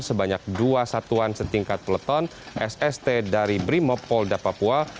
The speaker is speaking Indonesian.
sebanyak dua satuan setingkat peleton sst dari brimopolda papua